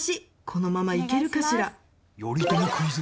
このままいけるかしら？